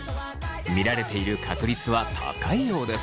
見られている確率は高いようです。